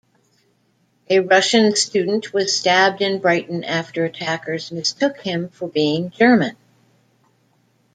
A Russian student was stabbed in Brighton after attackers mistook him for being German.